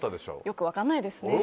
よく分かんないですね。